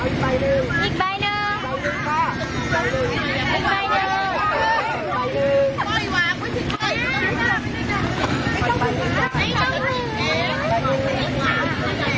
อีกใบหนึ่ง